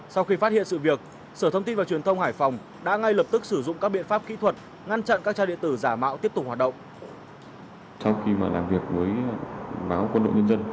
sau khi phát hiện sự việc sở thông tin và truyền thông hải phòng đã ngay lập tức sử dụng các biện pháp kỹ thuật ngăn chặn các trang điện tử giả mạo tiếp tục hoạt động